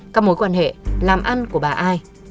các mối quan hệ làm ăn của bà ai